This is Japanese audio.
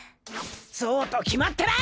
そうと決まったら。